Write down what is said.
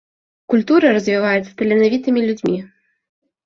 Культура развіваецца таленавітымі людзьмі.